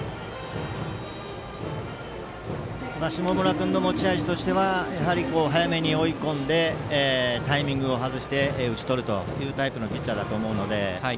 下村君の持ち味としてはやはり早めに追い込んでタイミングをはずして打ち取るというタイプのピッチャーだと思うので。